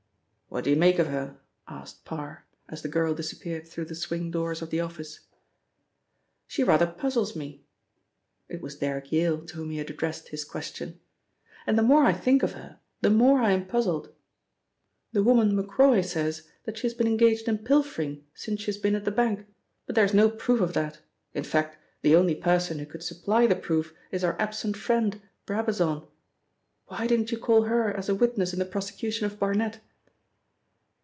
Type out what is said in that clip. "What do you make of her?" asked Parr, as the girl disappeared through the swing doors of the office. "She rather puzzles me," It was Derrick Yale to whom he had addressed his question. "And the more I think of her, the more I am puzzled. The woman Macroy says that she has been engaged in pilfering since she has been at the bank, but there is no proof of that. In fact, the only person who could supply the proof is our absent friend, Brabazon. Why didn't you call her as a witness in the prosecution of Barnet?"